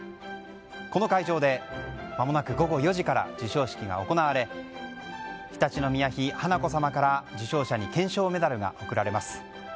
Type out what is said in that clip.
この会場でまもなく午後４時から授賞式が行われ常陸宮妃華子さまから受賞者に顕彰メダルが贈られます。